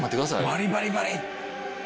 バリバリバリっ。